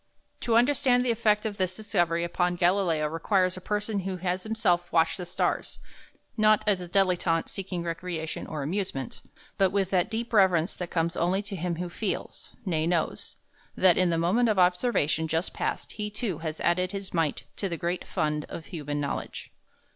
To understand the effect of this discovery upon Galileo requires a person who has himself watched the stars, not, as a dilettante, seeking recreation or amusement, but with that deep reverence that comes only to him who feels nay, knows that in the moment of observation just passed he too has added his mite to the great fund of human knowledge.